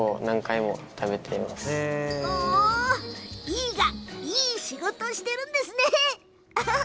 飯がいい仕事してるんですね！